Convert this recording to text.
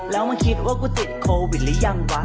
แล้วมาคิดว่ากูติดโควิดหรือยังวะ